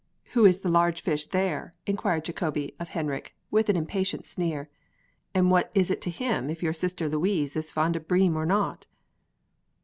"Who is the large fish there?" inquired Jacobi of Henrik, with an impatient sneer; "and what is it to him if your sister Louise is fond of bream or not?"